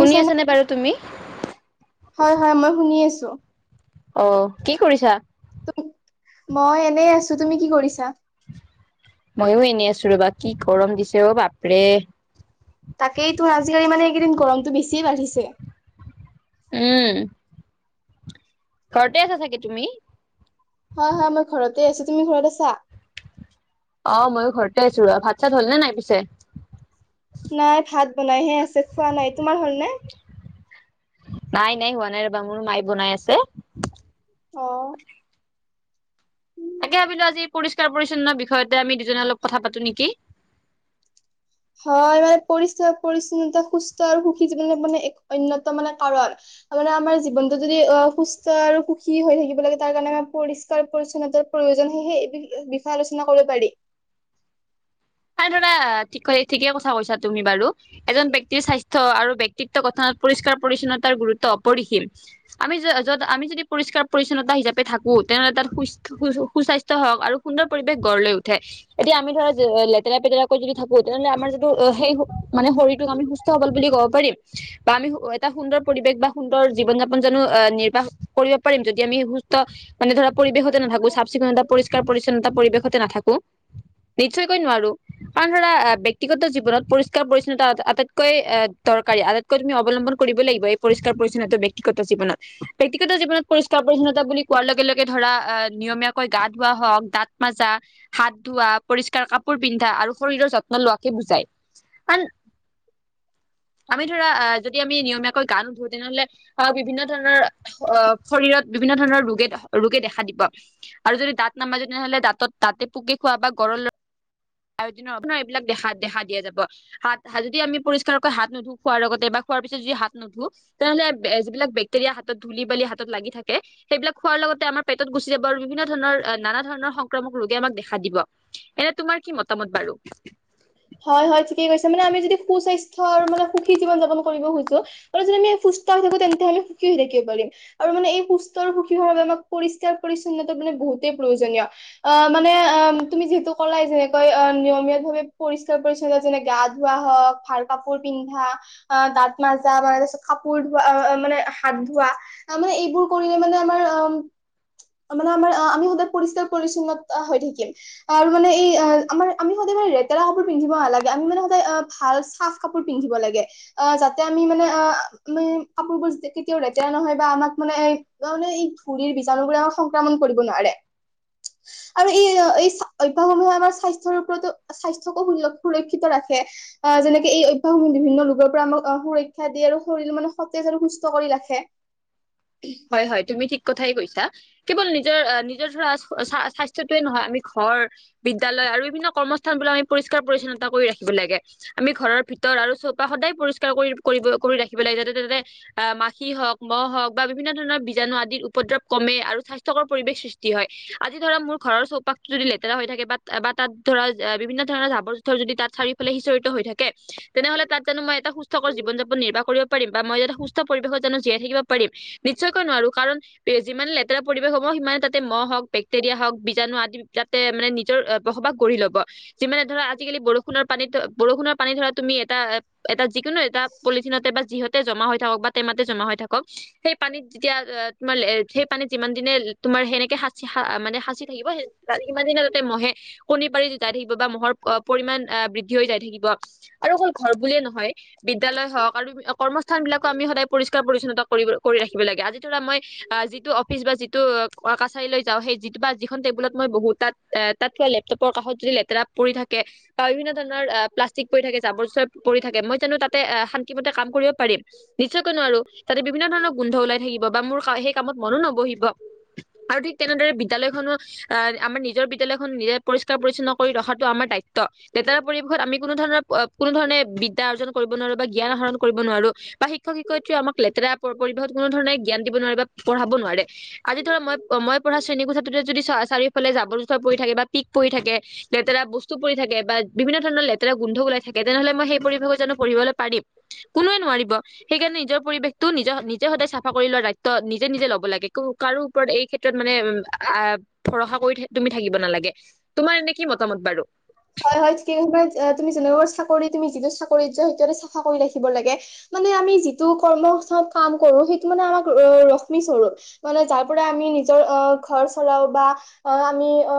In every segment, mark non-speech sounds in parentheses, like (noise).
শুনি আছা নে বাৰু তুমি? হয়, হয়। মই শুনি আছোঁ। অ কি কৰিছা মই এনেই আছো তুমি কি কৰিছা ময়ো এনে আছো ৰবা কি গৰম দিছে অ বাপৰে তাকেইতো আজিকালি মানে এইকেইদিন গৰমটো বেছিয়ে বাঢ়িছে উম। ঘৰতে আছা চাগে তুমি? হয়, হয় মই ঘৰতে আছোঁ। তুমি ঘৰত আছা? অ', ময়ো ঘৰতে আছো ৰ। ভাত চাত হলনে নাই পিছে? নাই ভাত বনাইহে আছে খোৱা নাই তোমাৰ হল নে নাই নাই হোৱা নাই ৰবা মোৰ মায়ে বনাই আছে অ তাকে ভাবিলো আজি পৰিষ্কাৰ পৰিচ্ছন্ন বিষয়তে আমি দুজনে অলপ কথা পাতো নেকি হয় মানে পৰিষ্কাৰ পৰিছন্নতা সুস্থ আৰু সুখী জীৱনৰ মানে এক অন্যতম মানে কাৰণ মানে আমাৰ জীৱনটো যদি অ', সুস্থ আৰু সুখী হৈ থাকিব লাগে তাৰ কাৰণে আমাৰ পৰিষ্কাৰ পৰিচ্ছন্নতাৰ প্ৰয়োজন সে সেই বিষয়ে আলোচনা কৰিব পাৰি। (inaudible) নাই ধৰা, ঠিক ঠিকে কথা কৈছা তুমি বাৰু এজন ব্যক্তিৰ স্বাস্থ্য আৰু ব্যক্তিত্ব গঠনত পৰিষ্কাৰ পৰিচ্ছন্নতাৰ গুৰুত্ব অপৰিসীম আমি য'-য'ত আমি যদি পৰিষ্কাৰ পৰিচ্ছন্নতা হিচাপে থাকোঁ। তেনেহ'লে তাত সুস-সুস্বাস্থ্য হওঁক আৰু সুন্দৰ পৰিৱেশ গঢ় লৈ উঠে এতিয়া আমি ধৰ (unintelligible) লেতেৰা পেতেৰা কৈ যদি থাকোঁ তেনেহ'লে আমাৰ যিটো অ', সেই মানে শৰীৰটোক আমি সুস্থ সবল বুলি ক'ব পাৰিম বা আম এটা সুন্দৰ পৰিৱেশ বা সুন্দৰ জীৱন যাপন জানো অহ, নিৰ্বাহ কৰিব পাৰিম যদি আমি সুস্থ এনে ধৰা পৰিৱেশতে নাথাকো চাফ-চিকুণটা পৰিষ্কাৰ পৰিচ্ছন্নতা পৰিৱেশতে নাথাকো নিশ্চয়কৈ নোৱাৰো। কাৰণ ধৰা ব্যক্তিগত জীৱনত পৰিষ্কাৰ পৰিচ্ছন্নতা আটাইতকৈ অহ, দৰকাৰী আটাইতকৈ তুমি অৱলম্ব বন কৰিব লাগিব এই পৰিষ্কাৰ পৰিচ্ছন্নতা ব্যক্তিগত জীৱনত, ব্যক্তিগত জীৱনত পৰিষ্কাৰ পৰিচ্ছন্নতা বুলি কোৱাৰ লগে লগে কে ধৰা অ', নিয়মীয়াকৈ গা ধোৱা হওঁক দাঁত মাজা, হাত ধোৱা, পৰিষ্কাৰ কাপোৰ পিন্ধা আৰু শৰীৰৰ যত্ন লোৱাকে বুজায়, কাৰণ আমি ধৰা অ', যদি আমি নিয়মীয়া কৈ গা নুধোও তেনেহ'লে অ', বিভিন্ন ধৰণৰ অ', শৰীৰত বিভিন্ন ধৰণৰ ৰোগে ৰোগে দেখা দিব। আৰু যদি দাঁত নামাজো তেনেহ'লে দাঁতত দাঁতে পোকে খোৱা বা গ (unintelligible) (unintelligible) ন' এইবিলাক দেখা দেখা দিয়া যাব, হাত যদি আমি পৰিষ্কাৰকৈ হাত নুধো খোৱাৰ লগতে বা খোৱাৰ পিছত যদি হাত নুধো তেনেহ'লে এ যিবিলাক বেক্টেৰিয়া হাতত ধূলি বালি হাত লাগি থাকে সেইবিলাক খোৱাৰ লগতে আমাৰ পেটত গুচি যাব আৰু বিভিন্ন ধৰণৰ তত নানা ধৰণৰ সংক্ৰামক ৰোগে আমাক দেখা দিব। এনে তোমাৰ কি মতামত বাৰু? কি কৈছে মানে আমি যদি সুস্ক্ৰস্বাস্থ্যৰ মানে সুখী জীৱন-যাপন কৰিব খোজো আৰু যদি আমি সুস্থ হৈ থাকোঁ তেন্তে সুখী হৈ থাকিব পাৰিম আৰু মানে এই সুষ্টৰ সুখী হোৱাৰ বাবে আমাক পৰিষ্কাৰ পৰিচ্ছন্নতা মানে বহুতেই প্ৰয়োজনীয়। মানে তুমি যিহেতু কলাই যেনেকৈ নিয়মীয়া ভাবে, পৰিষ্কাৰ পৰিচ্ছন্নতা যেনে গা ধোৱা হওক ভাল কাপোৰ পিন্ধা অ দাঁত মাৰজা মান কাপোৰ ধোৱা মানে হাত ধোৱা মানে এইবোৰ কৰিলে মানে আমাৰ অ মানে আমাৰ আমি সদায় পৰিষ্কাৰ পৰিছন্নতা হৈ থাকিম আৰু মানে এই আমাৰ আমি সদায় মানে, লেতেৰা কাপোৰ পিন্ধিব নালাগে আমি মানে সদায় আহ ভাল চাফ কাপোৰ পিন্ধিব লাগে অ যাতে আমি মানে অ, আমে কাপোৰ বোৰ কেতিয়াও লেতেৰা নহয় বা আমাক মানোনে এই ঘুৰিৰ বীজাণু বোৰে আমাক সংক্ৰাম কৰিব নোৱাৰে আৰু এই এই অভ্যয়াসসমূহে আমাৰ স্বাস্থ্যৰ ওপৰতো। স্বাস্থ্যকো সুৰক্ষিত ৰাখে আহ যেনেকে এই অভ্যয়াসসমূহে বিভিন্ন ৰোগৰ পৰা আমাক সুৰক্ষা দিয়ে। শৰীৰ মানে সতেজ আৰু সুস্থ কৰি ৰাখে। হয় হয় তুমি ঠিক কথাই কৈছা। কেৱল নিজৰ নিজৰ ধৰা স্বাস্থ্যৰ টোয়ে নহয় আমি ঘৰ বিদ্যয়ালয় আৰু বিভিন্ন কৰ্মস্থান, সদাই আমি পৰিষ্কাৰ পৰিচ্ছন্নতা কৰি ৰাখিব লাগে আমি ঘৰৰ ভিতৰ আৰু চৌপাশ সদাই পৰিষ্কাৰ কৰিব কৰি ৰাখিব লাগে যাতে তোতে অ মাখি হওক মহ হওক বা, বিভিন্ন ধৰণৰ বীজাণু আদিৰ উপদ্ৰৱ কমে আৰু স্বাস্থ্যকৰ পৰিৱেশ সৃষ্টি হয় আজি ধৰা মোৰ ঘৰৰ চৌপাশটো, দি লেতেৰা হৈ থাকে বা তাত ধৰা বিভিন্ন ধৰণৰ জাবৰ জোথৰ যদি তাত চাৰিওফালে সিচৰি হৈ থাকে। তেনেহ'লে তাত জানো মই এটা সুস্থকৰ জীৱন যাপন নিৰ্বাহ কৰিব পাৰিম বা মই যেতে সুস্থ পৰিৱেশত জানো জীয়াইাকিব পাৰিম। নিশ্চয়কৈ নোৱাৰো কাৰণ যিমান লেতেৰা পৰিৱেশ হ'ব সিমানে তাতে মহ হওক, বেক্টেৰিয়া হওক বীজণু আদি তাতে মানে নিজৰ বসবাস গঢ়ি লব যিমানে ধৰা আজিকালি বৰষুণৰ পৰা, পানীত বৰষুণৰ পানী ধৰা তুমি এটা এ, যিকোনো এটা পলিথিনতে বা যিহতে জমা হৈ থাকক বা টেমাতে জমা হৈ থাকক। সেই পানীত যেতিয়া তোমাৰ সেই পানী যিমান দিনে তোমাৰ সেনেকে হা মানে সাঁচি থাকিব স সিমান দিনা তাতে মহে, কণী পাৰি জোতাই থাকিব বা মহৰ পৰিমামান বৃদ্ধি হৈ যাই থাকিব আৰু অকল ঘৰ বুলিয়ে নহয়। বিদ্যালয় হওক আৰু কৰ্মস্থানবিলাকো আমি সদায় পৰিষ্কাৰ পৰি্ছন্তা কৰিব পোঁ মই অ য (unintelligible) বহুত তাত তাত থোৱা লেপটপৰ কাষত যদি লেতেৰা পৰি থাকে বা বিভিন্ন ধৰণৰ প্লাষ্টিক পৰি থাকে বছৰ পৰি থাকে মই জানো তাতে শান্তি মতে কাম কৰিব পাৰিম নিশ্চয়কৈ নোৱাৰো তাতে বিভিন্ন ধৰণৰ গোন্ধ ওলাই থাকিব বা মোৰ সেই কামত মনো নবহিব আৰু ঠিক তেনেদৰে বিদ্যালয়খনো আহ আমাৰ নিজৰ বিদ্যালয়খন নিজে পৰিষ্কাৰ পৰিচ্ছন্ন কৰি ৰখাটো আমাৰ দায়িত্ব লেতেৰা পৰিৱেশত আমি কোনো ধৰণৰ কোনো ধৰণে বিদ্যা অৰ্জন কৰিব নোৱাৰো বা জ্ঞান আহৰণ কৰিব নোৱাৰো বা শিক্ষক শিক্ষয়িত্ৰী আমাক লেতেৰা পৰিৱেশত কোনো ধৰণে জ্ঞান দিব নোৱাৰে বা পঢ়াব নোৱাৰে আজি ধৰা মই মই পঢ়া শ্ৰেণী কোঠাটোতে যদি ফালে জাবৰ জোথৰ পৰি থাকে বা পিক পৰি থাকে লেতেৰা বস্তু পৰি থাকে বা বিভিন্ন ধৰণৰ লেতেৰা গোন্ধ গল তেনে হলে মই সেই জানো পঢিবলৈ পাৰিম কোনও নোৱাৰিব সেইকাৰণে নিজৰ পৰিবেশটো নি নিজে সদায় চাফা কৰি লোৱা দায়িত্ব নিজে নিজে লব লাগে কাৰো ওপৰত এই ক্ষেত্ৰত মানে আহ ভৰসা কৰি তুমি থাকিব নালাগে তোমাৰ এনে কি মতামত বাৰু হয় হয়িকবাই তুমি জ তুমি যিটো চাকৰিত যোৱা সেইটো চাফা কৰি ৰাখিব লাগে মানে আমি যিটো কৰ্ম চব কাম কৰো সেইটো মানে আমাক ৰশ্মি স্বৰূপ মানে যাৰ পৰা আমি নিজৰ অ ঘৰ চলাও বা অ আমি অ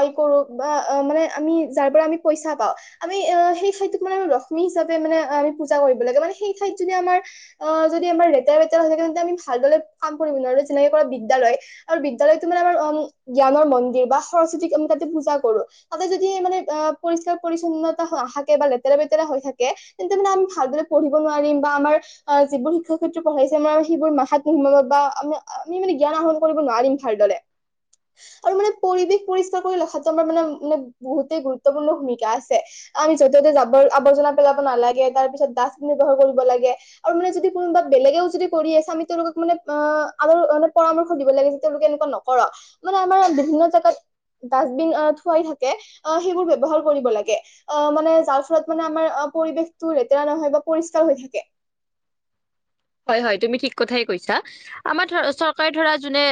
আই কৰো বা মানে আমি যাৰ পৰা আমি পইচা পাওঁ আমি আহ সেই ঠাইতোক মানে লক্ষ্মী হিচাপে মানে আমি পূজা কৰিব লাগে মানে সেই ঠাইত যদি আমাৰ অ যদি আমাৰ লেতেৰা বেতেৰা হৈ থাক তেন্তে আমি ভালদৰে কাম কৰিব নোৱাৰো যেনেকে কৰা বিদ্যালয় আৰু বিদ্যালয় তোমাৰ মাৰ অম জ্ঞানৰ মন্দিৰ বা সৰস্বতীক আমি তাতে পূজা কৰো তাতে যদি মানে অ পৰিষ্কাৰ পৰি ন্নতা নাথাকে বা লেতেৰা লেতেৰা হৈ থাকে তেন্তে মানে আমি ভালদৰে পঢ়িব নোৱাৰিম বা আমাৰ যিবোৰ শিক্ষাক ক্ষেত্ৰ পঢাইছে আমাৰ সেইবোৰ মাত নমাব বা আম আমি মানে জ্ঞান আহৰণ কৰিব নোৱাৰিম ভাৰ্দ (inaudible) আৰু মানে পৰিৱেশ পৰিষ্কাৰ কৰি ৰখাটো আমাৰ মানে-মানে বহুতেই গুৰুত্বপূৰ্ণ ভূমিকা আছে অ, আমি য'তে- ত'তে জাবৰ -আৱৰ্জনা পেলাব নালাগে তাৰ পিছত ডাষ্টবিন ব্যৱহাৰ কৰিব লাগে আৰু মানে যদি কোনোবা বেলেগেও যদি কোনোবা যদি বেলেগেও কৰি আছে আমি তেওঁলোকক মানে অ, আৰু মানে পৰামৰ্শ দিব লাগে যে তেওঁলোকে এনেকুৱা নকৰ মানে আমাৰ বিভিন্ন জেগাত ডাষ্টবিন অ, থুৱাই থাকে অ, সেইবোৰ ব্যৱহাৰ কৰিব লাগে অ, মানে যাৰ ফলত মানে আমাৰ অ অ, পৰিৱেশটো লেতেৰা নহয় বা পৰিষ্কাৰ হৈ থাকে। হয়-হয় তুমি ঠিক কথাই কৈছা আমাৰ ধৰা চৰকাৰে ধৰা যোনে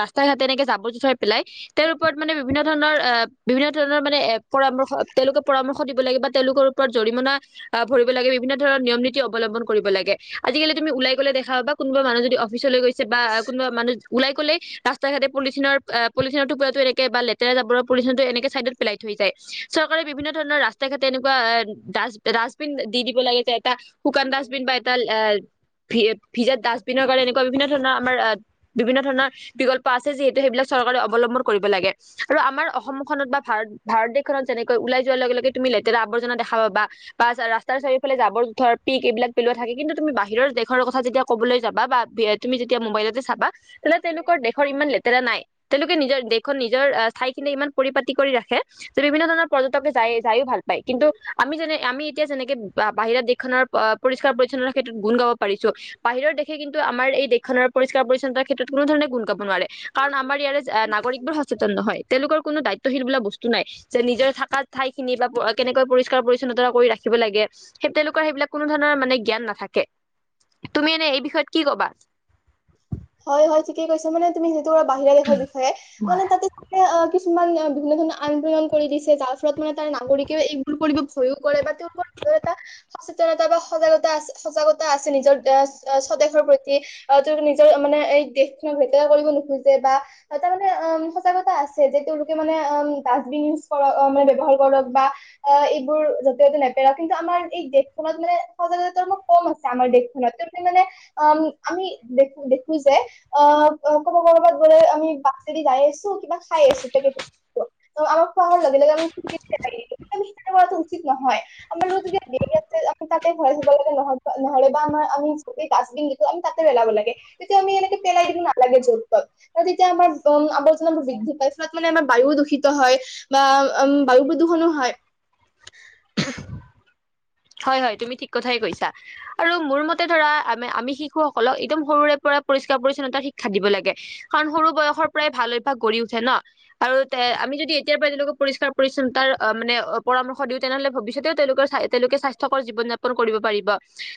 ৰাস্তা ঘাট এনেকে যাব যোথৰ পেলাই তেওঁৰ ওপৰত মানে বিভিন্ন ধৰণৰ এ বিভিন্ন ধৰণৰ মানে পৰামৰ্শ তেওঁলোকে পৰামৰ্শ দিব লাগে বা তেওঁলোকৰ ওপৰত জৰিমনা আহ ভৰিব লাগে বিভিন্ন ধৰণৰ নিয়ম-নীতি অৱলম্বন কৰিব লাগে। আজিকালি তুমি উলাই গ'লে দেখা পাবা কোনবা মানুহ যদি অফচলৈ গছে বা কোনবা মানুহ ওলাই গলেই ৰাস্ত ৰাস্তা ঘাটে পলিথিনৰ এ টোপোলাটো এনেক বা লেতেৰা জাবৰৰ পলিথিনটো এনেকে চাইডত পেলাই থৈ যায় চৰকাৰে বিভিন্ন ধৰণৰ ৰাস্ত ঘাট তেনেকুৱা এ ডাষ্ট-ডাষ্টবিন দি দিব লাগে যে এটা শুকান ডাষ্টবিন বা এটা ভি-ভিজাত ডাষ্টবিনৰ কাৰণে এনেকুৱা বিভিন্ন ধৰণৰ আমাৰ বিভিন্ন ধৰণৰ বিকল্প আছে যিহেতু সেইবিলাক চৰ অৱলম্বন কৰিব লাগে আৰু আমাৰ অসমখনত বা ভাৰত- ভাৰত দেশখনত যেনেকৈ ওলাই যোৱাৰ লগে-লগে তুমি লে যেতিয়া আৱৰ্জনা দেখা পাবা বা ৰাস্তাৰ চাৰিওফালে জাবৰ জোথৰ পিক এইবিলাক পেলোৱা থাকে কিন্তু তুমি বা বাহিৰৰ দেশৰ কথা যেতিয়া ক'বলৈ যাবা, বা তুমি যেতিয়া মোবাইলতে চাবা। তেলে তেওঁলোকৰ দেশৰ ইমান লেতেৰা না আই, তেওঁলোকে নিজৰ দেশ খন, নিজৰ ঠাইখিনি ইমান পৰিপাতি কৰি ৰাখে, যে বিভিন্ন ধৰণৰ পৰ্যটকে যায় যাইয়ো ভাল পাই, কিন্তু আমি যেনে আমি এতিয়া যেনেকে বাহিৰা দেশখনৰ প-পৰিস্কাৰ পৰিচনা ক্ষেত্ গুণ গাব পাৰিছোঁ। বাহিৰৰ দেশে কিন্তু আমাৰ এই দেশখনৰ পৰিষ্কাৰ পৰিচ্ছন্নতাৰ ক্ষেত্ৰত কোনো ধৰণে গুণ গাব নোৱাৰে। কাৰণ আমাৰ ইয়াৰে নাগৰিকবোৰ সচেতন নহয়, তেওঁলোকৰ কোনো দায়িত্বশীল বোালা বস্তু নাই। যে নিজৰ থকা ঠাইত এইখিন বা কেনেকৈ পৰিষ্কাৰ পৰিচ্ছনত কৰি ৰাখিব লাগে সেই তেওঁলোকৰ সেইবিলাক কোনো ধৰণ মানে জ্ঞান নাথাক কে তুমি এনে এই বিষয়ত কি কবা? হয়-হয় ঠিকে কৈছা মানে তুমি (unintelligible) ভাবিছাই মানে তাতে তুমি অ কিছুমান বিভিন্ন ধৰণৰ আন্দোলন কৰি দিছে যাৰ ফলত মানে তাৰ নাগৰিকেও এইবোৰ কৰিব ভয়ো কৰে বা এইটোৰ ওপৰত দুই এটা সচেতনতা বা সজাগতা আছে সজাগতা আছে নিজৰ (unintelligible) স্বদেশৰ সৈতে। তেওঁলোকে নিজ তেওঁ মানে এই দেশখনক লেতেৰা কৰিব নোখোঁজে, বা তাৰ মানে অ', সজাগতা আছে। যে তেওঁলোকে মানে ডাচবিন ইউচ কৰক ব্যৱহাৰ কৰক বা এইবোৰ যতে ততে নেপেক কিন্তু আমাৰ। দেশখনত মানে সজাগ ম কম আছে আমাৰ দেশখনত তেওঁলোকে মানে উম আমি। দেখো যে অ ক'ব ক'বাত গ'লে আমি বাছ যদি যাই আছো। কিবা খাই আছো পে টকেতো আমি খোৱাোৱাৰ লগে লগে আমি। মি কৰাটো উচিত নহয় আমাৰ ৰ যতিয়া দেৰি আছে আমি তাতে ঘৰে ধুব লাগে ন নহৰে বা আমাৰ। আমি য ডাষ্টবিন দিলোছে তাতে পেলাব লাগে। তেতিয়া আমি এনেকে পেলাই দিব নালাগে য'ত তত ন তেতিয়া আমাৰম আমাৰ য আম বৃদ্ধি পাইছো ত মানে আমাৰ বায়ু। দূষিত হয় বা বায়ু প্ৰদূষণো হয়। (unintelligible) হয় হয় তুমি ঠিক কথাই কৈছা আৰু মোৰ মতে ধৰা আম আমি শিশুসকলক একদম সৰুৰে পৰা। পৰিষ্কাৰ পৰিচ্ছন্নতাৰ শিক্ষা দিব লাগে কাৰণ সৰু বয়সৰ পৰাই ভাল অভ্যাস গঢ় উঠে ন আৰু তে। আমি যদি এতিয়াৰ পৰা তেওঁলোকক পৰিষ্কাৰ পৰিচ্ছন্তাৰ অ মানে অ পৰামৰ্শ দিওঁ তেনেহ'লে ভৱিষ্যতেও তেওঁলোকৰ। তেওঁলোকে স্বাস্থ্যকৰ জীৱন যাপন কৰিব পাৰিব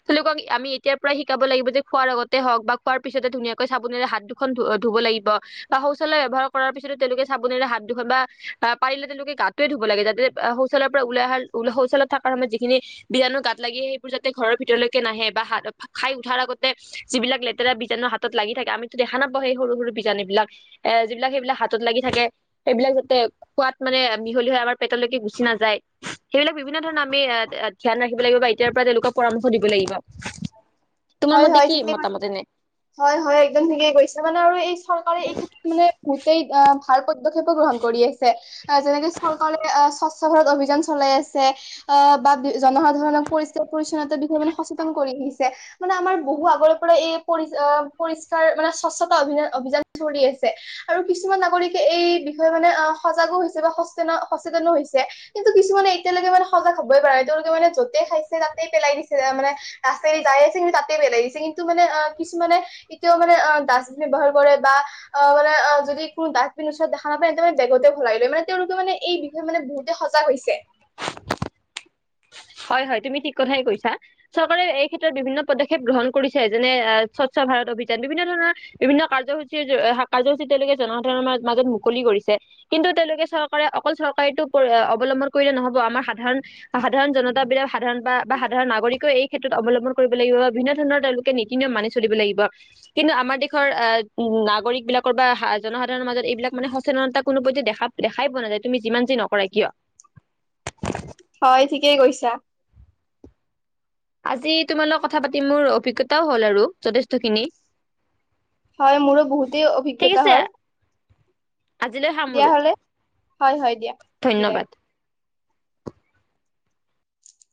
তেওঁলোকক আমি এতিয়াৰ পৰাই শিকাব লাগিব যে খোৱাৰ লগতে হওঁক বা। খোৱাৰ পিছতে ধুনীয়াকৈ চাবোনেৰে হাত দুখন ধ ধুব লাগিব বা শৌচালয় ব্যৱহাৰ কৰাৰ পিছতে তেওঁলোকে চাবোনেৰে হাত। হাত দুখন বা আহ পাৰিলে তেওঁলোকে গাতয়ে ধুব লাগে যাতে শৌচলৰ পৰা ওলাই অ শৌচলত থকাৰ সময়। খিন বীজাণু গাত লাগি সেইবোৰ যাতে ঘৰৰ ভিতৰলৈকে নাহে বা হ খাই উঠাৰ আগতে যিবিলাক লে। তে বীজাণু হাতত থাকে আমিতো দেখা নাপাও সেই সৰু সৰু বীজাণু বিলাক এ যিবিলাকেইবিলাক হাতত লাগি থাকে। সেইবিলাক যাতে খোৱাত মানে মিহলি হয় আমাৰ পেটলৈকে গুচি নাযায় সেইবিলাক বিভিন্ন ধৰণৰ আমি। এ ধ্যান ৰাখিব লাগিব বা এতিয় পৰা তেওঁলোকক পৰামৰ্শ দিব লাগিব। তোমাৰ হয় মেতে হয় কি ঠিকে মতামতে এনে। হয় হয় একদম থিকে কৰিছে মানে আৰু এই চৰকাৰে এই ক্ষেত্ৰত মানে বহুতেই অ। গ্ৰহন কৰি আছে যেনেকে চৰকিৰে। সচ ভাৰৰত অভিযান চলাই আছে অ বা জনসাধাৰণক পৰিষ্কাৰ পৰিচ্ছন্নতা বিষয়ে সচেতন কৰি আহিছে। মানে আমাৰ বহু আগৰে পৰা এই পৰি পৰিষ্কাৰ মানে স্বচ্তা অভি অভিযান চৰি আছে। আৰু কিছুমান নাগৰিকে এই বিষয়ে মানে অ সজাগো হৈছে বা সচন সচেতনো হৈছে। টো কিছুমানে এতিয়ালৈ মানে সজাগ হবই পাৰ আৰু এতিয়লোকে মানে যতোইছে তাই পেলাই দিছে মানে ৰাছ যাই আছে কিন্তু তাতেই পেলাই দিছে কিন্তু মানে আহ কিছু মানে এতিয়াও মানে অ ডাষ্টবিন ব্যৱহাৰ কৰে বা অ মানে অ যদি কোনো দাচবিন ওচৰত দেখা নাপায় তেন্ত মান বেগতে ভৰা লই লয় মান তেওঁলোকে মানে এই বিষয়ে মানে বহুতে সজাহ হৈছে। হয় হয় তুমি ঠিক কথাই কৈছা চৰকাৰে এই ক্ষেত্ৰত বিভিন্ন পদক্ষেপ গ্ৰহণ কৰিছে যেনে স্বচ্ছ ভাৰত অভিযান বিভিন্ন ধৰণৰ বিভিন্ন কাৰ্যসূচীৰ কাৰ্যসূচী তেওঁলোকে জনসাধাৰণৰ ম-মাজত মুকলি কৰিছে। কিন্তু তেওঁলোকে চৰকাৰে অকল চৰকাৰেটো অৱলম্বন কৰিলে নহব আমাৰ সাধাৰণ সাধাৰণ জনতা সাধাৰণ বা সাধাৰণ নাগৰিকে এই ক্ষেত্ৰত অৱলম্বন কৰিবা লাগিব বিভিন্ন ধৰণৰ তেওঁলোকে নীতি নিয়ম মানি চলিব লাগিব। কিন্তু আমাৰ দেশৰ আহ নাগৰিকবিলাকৰ বা জনসাধাৰণৰ মাজত এইবিলাক মানে সচেতনতা কোনো পধ্যে দেখা দেখাই পোৱা নাযায় তুমি যিমান যি নকৰা কিয়। হয় ঠিকেই কৈছা। আজি তোমাৰ লগত কথা পাতি মোৰ অভিজ্ঞতাও হ'ল আৰু যথেষ্টখিনি। হয় মোৰো বহুতেই ঠিক অভিজ্ঞতা আছে হল। আজিলৈ দিয়া সামৰো হ'লে, হয় হয় দিয়া বিদায় ধন্যবাদ।